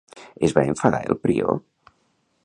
Es va enfadar el prior?